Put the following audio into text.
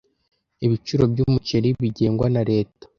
Ibiciro byumuceri bigengwa na leta.